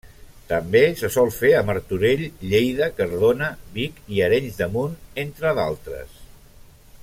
També se sol fer a Martorell, Lleida, Cardona, Vic i Arenys de Munt, entre d'altres.